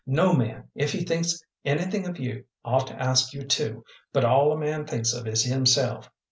No man, if he thinks anything of you, ought to ask you to; but all a man thinks of is himself.